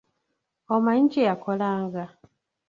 Omanyi kye yakolanga?